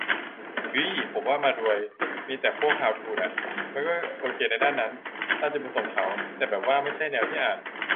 กึ๋ย ผมว่ามารวยมีแต่พวกฮาวทูน่ะ มันก็โอเคในด้านนั้น ตามจุดประสงค์เขา แต่แบบว่าไม่ใช่แนวที่อ่าน